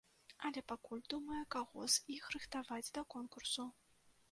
Але пакуль думае, каго з іх рыхтаваць да конкурсу.